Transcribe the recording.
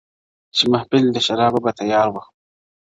چي محفل د شرابونو به تيار وو،